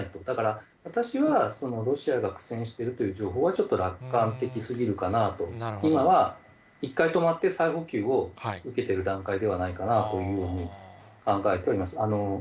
だから私は、ロシアが苦戦しているという情報は、ちょっと楽観的すぎるかなと、今は、１回止まって再補給を受けてる段階ではないかなというふうに考えてはいます。